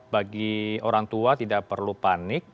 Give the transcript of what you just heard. bagi orang tua tidak perlu panik